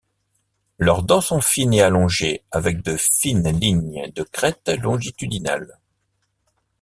Leurs dents sont fines et allongées avec de fines lignes de crêtes longitudinales.